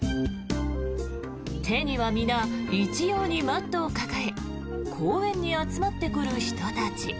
手には皆、一様にマットを抱え公園に集まってくる人たち。